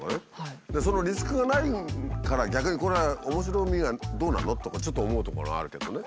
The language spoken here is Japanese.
そのリスクがないから逆にこれは面白みがどうなの？とかちょっと思うところはあるけどね。